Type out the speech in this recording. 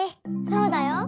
そうだよ。